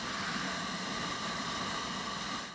ناسم خوراک ستړیا زیاتوي.